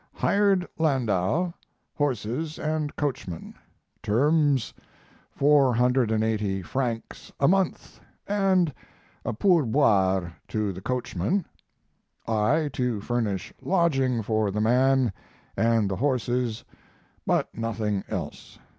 Hired landau, horses, & coachman. Terms, 480 francs a month & a pourboire to the coachman, I to furnish lodging for the man & the horses, but nothing else.